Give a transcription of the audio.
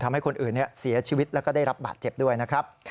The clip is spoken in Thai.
ทำให้คนอื่นเสียชีวิตแล้วก็ได้รับบาดเจ็บด้วยนะครับ